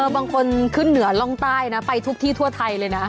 บางคนขึ้นเหนือร่องใต้นะไปทุกที่ทั่วไทยเลยนะ